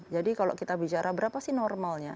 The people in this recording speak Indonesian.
jadi kalau kita bicara berapa sih normalnya